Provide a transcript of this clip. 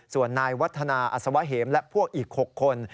ส่วนนายวัฒนาอัศวะเหมและพวกอีก๖คน